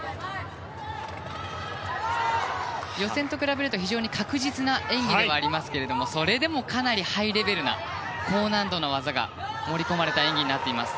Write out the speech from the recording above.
予選と比べると、非常に確実な演技ではありますけれどもそれでもかなりハイレベルな高難度な技が盛り込まれた演技になっています。